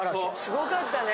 すごかったね。